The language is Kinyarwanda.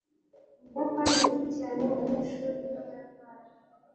umupira uzwi cyane mubanyeshuri b'abayapani